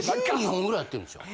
１２本ぐらいやってるんですよ。